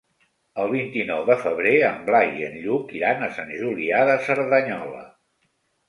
El vint-i-nou de febrer en Blai i en Lluc iran a Sant Julià de Cerdanyola.